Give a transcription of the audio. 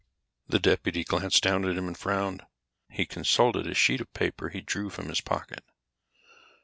The deputy glanced down at him and frowned. He consulted a sheet of paper he drew from his pocket.